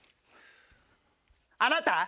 あなた。